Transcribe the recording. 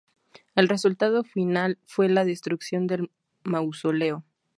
El resultado final fue la destrucción del mausoleo.